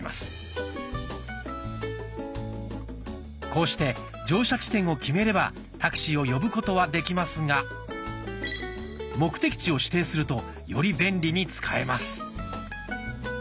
こうして乗車地点を決めればタクシーを呼ぶことはできますが目的地を指定するとより便利に使えます。